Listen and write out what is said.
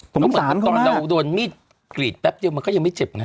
สงสารตอนเราโดนมีดกรีดแป๊บเดียวมันก็ยังไม่เจ็บไง